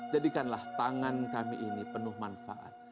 jadikanlah tangan kami ini penuh manfaat